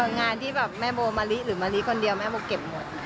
งานที่แม่โบมาลี้หรือมาลี้คนเดียวแม่โบเก็บหมด